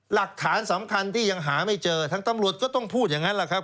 หลักฐานสำคัญที่ยังหาไม่เจอทางตำรวจก็ต้องพูดอย่างนั้นแหละครับ